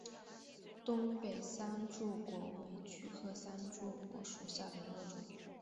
东北三肋果为菊科三肋果属下的一个种。